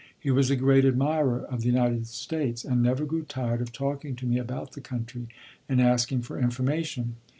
He was a great admirer of the United States and never grew tired of talking to me about the country and asking for information.